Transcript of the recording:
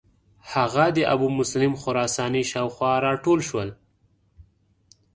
هغه د ابومسلم خراساني شاو خوا را ټول شو.